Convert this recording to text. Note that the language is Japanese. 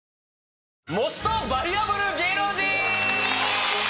『モストバリュアブル芸能人』！